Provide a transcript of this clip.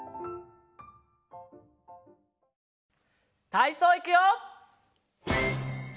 たいそういくよ！